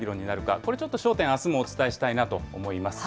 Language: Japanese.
これちょっと焦点、あすもお伝えしたいなと思います。